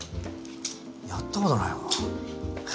やったことないわ。